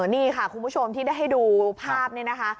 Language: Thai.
นี่ค่ะคุณผู้ชมที่ได้ให้ดูภาพนี่นะคะ